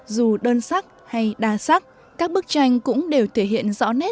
dù đơn sắc hay đa sắc các bức tranh cũng đều thể hiện rõ nét